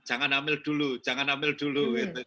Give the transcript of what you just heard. jangan hamil dulu jangan hamil dulu